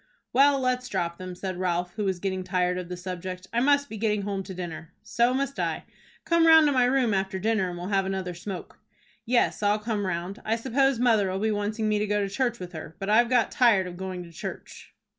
"Well, let's drop them," said Ralph, who was getting tired of the subject. "I must be getting home to dinner." "So must I." "Come round to my room, after dinner, and we'll have another smoke." "Yes, I'll come round. I suppose mother'll be wanting me to go to church with her, but I've got tired of going to church."